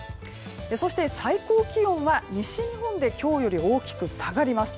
そして最高気温は、西日本で今日より大きく下がります。